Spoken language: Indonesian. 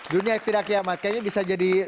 dunia tidak kiamat kayaknya bisa jadi